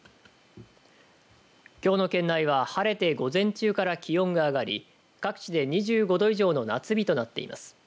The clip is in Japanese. きょうの県内は晴れて午前中から気温が上がり各地で２５度以上の夏日となっています。